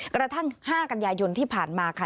กระทั่ง๕กันยายนที่ผ่านมาค่ะ